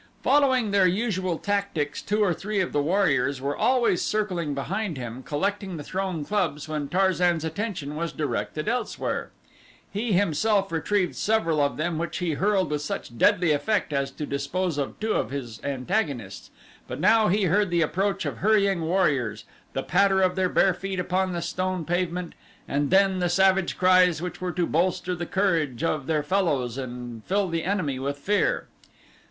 Following their usual tactics two or three of the warriors were always circling behind him collecting the thrown clubs when Tarzan's attention was directed elsewhere. He himself retrieved several of them which he hurled with such deadly effect as to dispose of two of his antagonists, but now he heard the approach of hurrying warriors, the patter of their bare feet upon the stone pavement and then the savage cries which were to bolster the courage of their fellows and fill the enemy with fear.